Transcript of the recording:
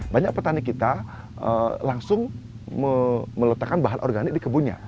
banyak petani kita langsung meletakkan bahan organik di kebunnya